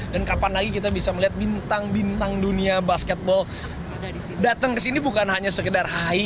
dan kapan lagi kita bisa melihat bintang bintang dunia basketbol datang ke sini bukan hanya sekedar hai